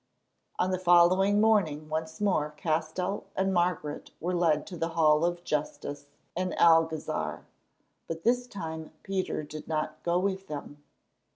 On the following morning once more Castell and Margaret were led to the Hall of Justice in the Alcazar; but this time Peter did not go with them.